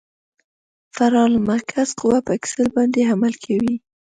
فرار المرکز قوه په اکسل باندې عمل کوي